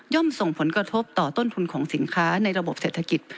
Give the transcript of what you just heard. ส่งผลกระทบต่อต้นทุนของสินค้าในระบบเศรษฐกิจ